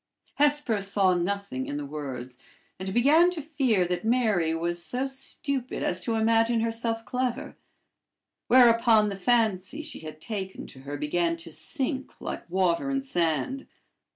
Hesper saw nothing in the words, and began to fear that Mary was so stupid as to imagine herself clever; whereupon the fancy she had taken to her began to sink like water in sand.